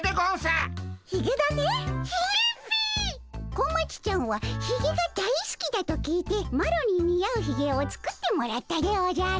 小町ちゃんはひげが大すきだと聞いてマロに似合うひげを作ってもらったでおじゃる。